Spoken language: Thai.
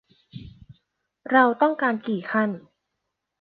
เราต้องการกี่ชั้น ?